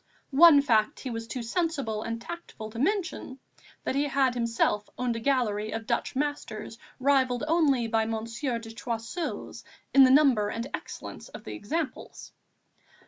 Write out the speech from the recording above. One fact he was too sensible and tactful to mention that he had himself owned a gallery of Dutch masters rivalled only by Monsieur de Choiseul's in the number and excellence of the examples.